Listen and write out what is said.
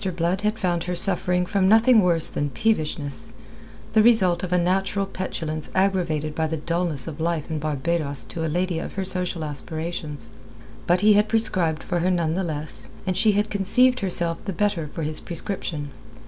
Blood had found her suffering from nothing worse than peevishness the result of a natural petulance aggravated by the dulness of life in Barbados to a lady of her social aspirations. But he had prescribed for her none the less, and she had conceived herself the better for his prescription.